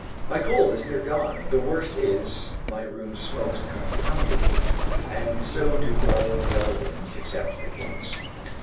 My cold is near gone. The worst is, my room smokes confoundedly; and so do all the other rooms, except the King's.